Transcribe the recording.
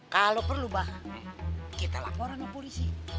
kalau perlu mbak kita laporan ke polisi